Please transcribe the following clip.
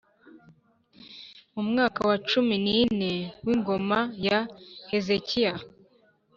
Mu mwaka wa cumi n’ine w’ingoma ya Hezekiya,